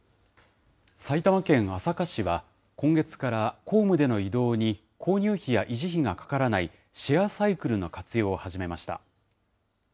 埼玉県朝霞市は、今月から、公務での移動に購入費や維持費がかからないシェアサイクルの活用